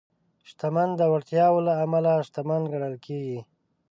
شتمن د وړتیاوو له امله شتمن ګڼل کېږي.